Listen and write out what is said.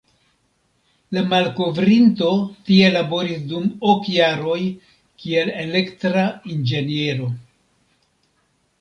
La malkovrinto tie laboris dum ok jaroj kiel elektra inĝeniero.